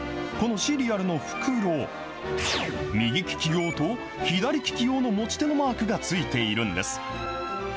このシリアルの袋、右利き用と左利き用の持ち手のマークがついているんです。